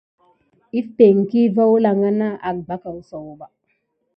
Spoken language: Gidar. Apànha hofŋu wulanga na mangoro aka de békiguni.